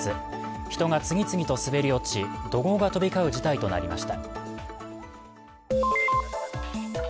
人が次々と滑り落ち怒号が飛び交う事態となりました。